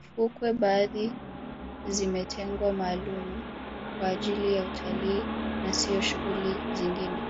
fukwe baadhi zimetengwa maalumu kwa ajili ya utalii na siyo shughuli zingine